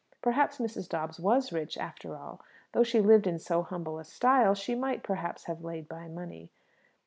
Perhaps Mrs. Dobbs was rich, after all. Though she lived in so humble a style she might, perhaps, have laid by money.